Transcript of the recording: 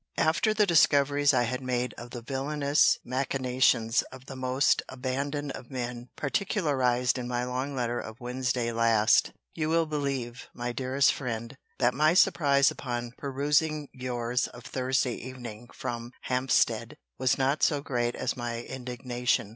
After the discoveries I had made of the villanous machinations of the most abandoned of men, particularized in my long letter of Wednesday* last, you will believe, my dearest friend, that my surprise upon perusing your's of Thursday evening from Hampstead was not so great as my indignation.